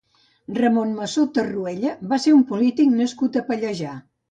Ramón Massó Tarruella va ser un polític nascut a Pallejà.